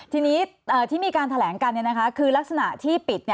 ทีนี้ที่มีการแถลงกันคือลักษณะที่ปิด